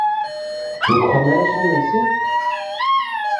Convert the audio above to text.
Deg uxxam ara ččen imensi?